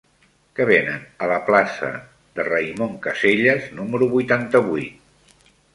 Què venen a la plaça de Raimon Casellas número vuitanta-vuit?